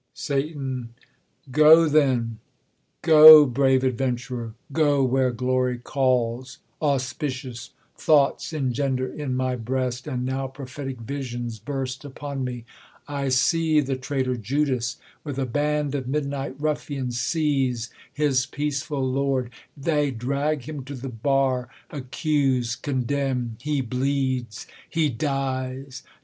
Satan, Go then ; Go, brave adventurer, go where glory calls : Auspicious thoughts engender in niy breast. And now prophetic visions burst upon me : T see the trailer Jiulas with a band Of THE COLUMBIAN ORATOR, 214 Of niidnight ruffians seize his peaceful Lord : They drag him to the bar, accuse, condemn ; He bleeds, he dies